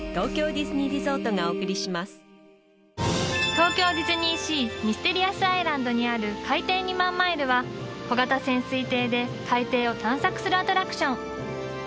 東京ディズニーシーミステリアスアイランドにある「海底２万マイル」は小型潜水艇で海底を探索するアトラクション。